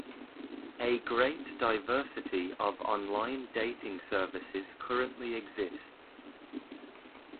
A great diversity of online dating services currently exists.